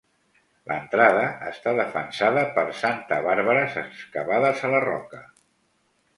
L'entrada està defensada per santabàrbares excavades a la roca.